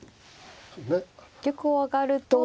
玉を上がると。